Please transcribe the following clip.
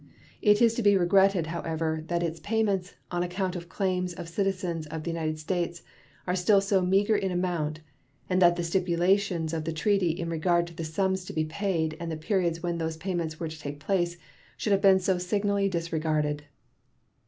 It is to be regretted, however, that its payments on account of claims of citizens of the United States are still so meager in amount, and that the stipulations of the treaty in regard to the sums to be paid and the periods when those payments were to take place should have been so signally disregarded.